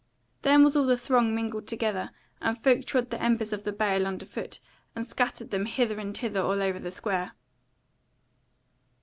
Then was all the throng mingled together, and folk trod the embers of the bale under foot, and scattered them hither and thither all over the square.